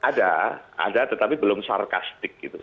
ada ada tetapi belum sarkastik gitu